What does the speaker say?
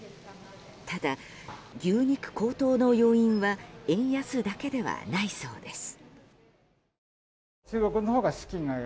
ただ、牛肉高騰の要因は円安だけではないそうです。